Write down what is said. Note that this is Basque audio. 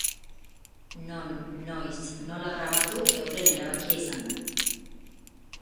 Non, noiz, nola grabatu euren erabakia izan da.